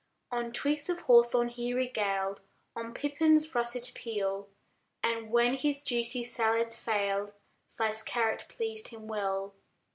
On twigs of hawthorn he regaled, On pippins' russet peel ; And, when his juicy salads failed, Sliced carrot pleased him well.